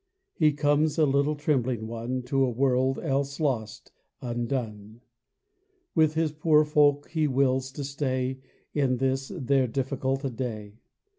He comes, a little trembling One, To a world else lost, undone. With His poor folk He wills to stay In this their difficult day.